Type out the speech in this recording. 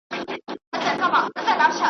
ورځ دي په اوښکو شپه دي ناښاده .